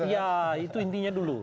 iya itu intinya dulu